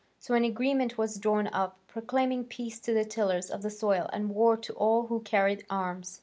So an agreement was drawn up, proclaiming peace to the tillers of the soil and war to all who carried arms.